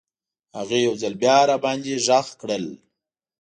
هغې یو ځل بیا راباندې غږ کړل.